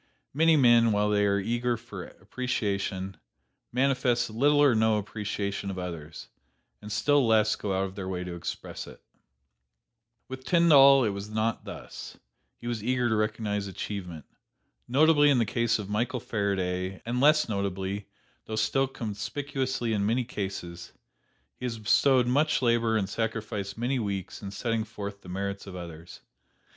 Many men, while they are eager for appreciation, manifest little or no appreciation of others, and still less go out of their way to express it. "With Tyndall it was not thus; he was eager to recognize achievement. Notably in the case of Michael Faraday, and less notably, though still conspicuously in many cases, he has bestowed much labor and sacrificed many weeks in setting forth the merits of others.